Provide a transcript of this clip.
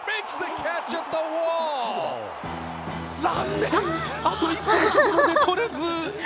残念、あと一歩のところで取れず。